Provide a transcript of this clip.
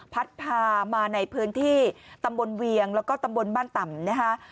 พัดพามาในพื้นที่ตำบลเวียงแล้วก็ตำบลบ้านต่ำนะคะ